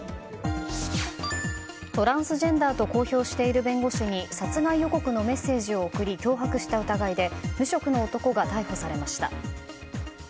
トランスジェンダーと公表している弁護士に殺害予告のメッセージを送り脅迫した疑いで無職の男が逮捕されました。